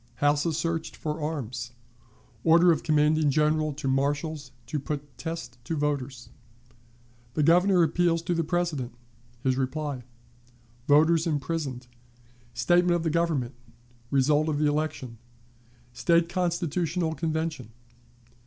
Houses searched for Arms. Order of Commanding General to Marshals to put Test to Voters. The Governor appeals to the President. His Reply. Voters imprisoned. Statement of the Governor. Result of the Election. State Constitutional Convention.